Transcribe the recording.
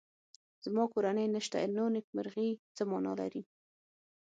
زما کورنۍ نشته نو نېکمرغي څه مانا لري